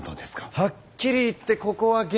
はっきり言ってここは験が悪い。